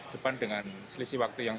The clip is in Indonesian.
depan dengan selisih waktu yang